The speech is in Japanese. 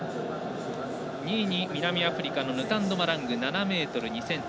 ２位に南アフリカのヌタンド・マラング７ｍ２ｃｍ。